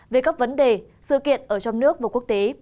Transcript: về các vấn đề sự kiện ở trong nước và quốc tế